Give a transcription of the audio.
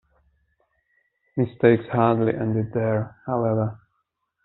"Mistakes" hardly ended there, however.